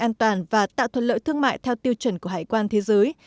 an toàn và tạo thuận lợi thương mại theo tiêu chuẩn của hải quan thế giới